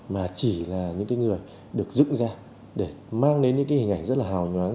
mà chỉ là những người được dựng ra để mang đến những hình ảnh rất là hào nhoáng